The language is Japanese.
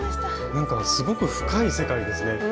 なんかすごく深い世界ですね